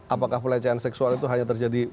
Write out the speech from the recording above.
apakah pelecehan seksual itu hanya terjadi